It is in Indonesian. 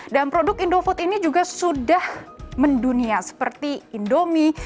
dan produk indofood ini juga sudah mendunia seperti indomie